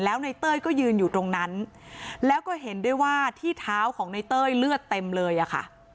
แล้วในเต้ยก็ยืนอยู่ตรงนั้นแล้วก็เห็นด้วยว่าที่เท้าของในเต้ยเลือดเต็มเลยอะค่ะ